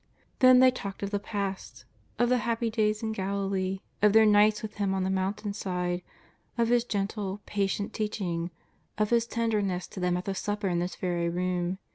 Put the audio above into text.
Then they talked of the past, of the happy days in Galilee, of their nights with Him on the mountain side, of His gentle, patient teaching, of His tenderness to them at the Supper in this very room.